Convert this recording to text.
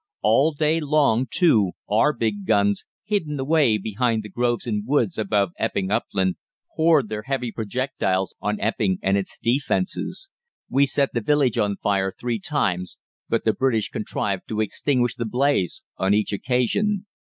All day long, too, our big guns, hidden away behind the groves and woods above Epping Upland, poured their heavy projectiles on Epping and its defences. We set the village on fire three times, but the British contrived to extinguish the blaze on each occasion.